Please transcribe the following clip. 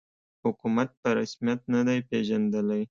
حکومت په رسمیت نه دی پېژندلی